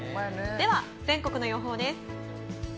では、全国の予報です。